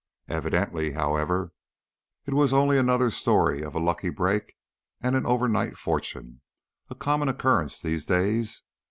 Evidently, however, it was only another story of a lucky break and an overnight fortune a common occurrence these days.